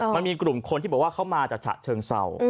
มันมีกลุ่มคนที่บอกว่าเขามาจากฉะเชิงเศร้า